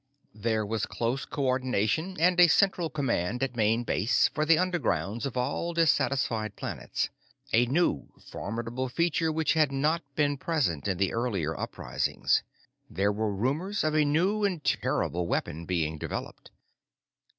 There was close coordination and a central command at Main Base for the undergrounds of all dissatisfied planets a new and formidable feature which had not been present in the earlier uprisings. There were rumors of a new and terrible weapon being developed.